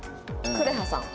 くれはさん。